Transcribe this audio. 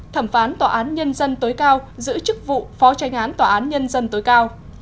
thẩm phán tòa án nhân dân tối cao giữ chức vụ phó tranh án tòa án nhân dân tối cao